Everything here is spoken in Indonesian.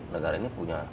negara ini punya